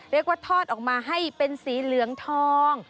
เรียกว่าทอดออกมาให้เป็นสีเหลืองทอง